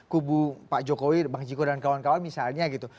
kubu pak jokowi bang jiko dan kawan kawan misalnya gitu